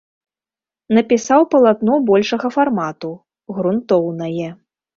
Напісаў палатно большага фармату, грунтоўнае.